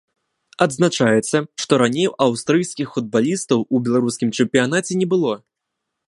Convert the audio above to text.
Адзначаецца, што раней аўстрыйскіх футбалістаў у беларускім чэмпіянаце не было.